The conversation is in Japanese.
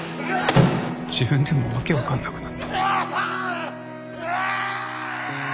自分でも訳分かんなくなった。